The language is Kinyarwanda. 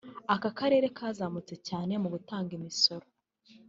aka karere kazamutse cyane mu gutanga imisoro